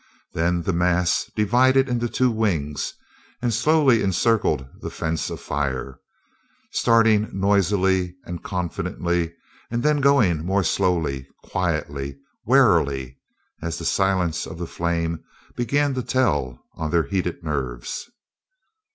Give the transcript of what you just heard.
Then the mass divided into two wings and slowly encircled the fence of fire; starting noisily and confidently, and then going more slowly, quietly, warily, as the silence of the flame began to tell on their heated nerves.